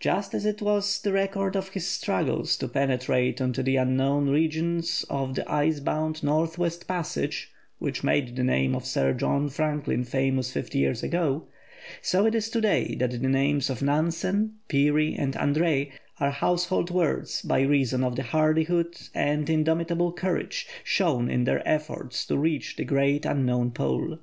Just as it was the record of his struggles to penetrate into the unknown region of the ice bound North West Passage which made the name of Sir John Franklin famous fifty years ago, so is it to day that the names of Nansen, Peary, and Andrée are household words by reason of the hardihood and indomitable courage shown in their efforts to reach the great unknown Pole.